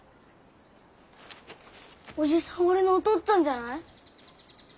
おじさん俺のおとっつぁんじゃない？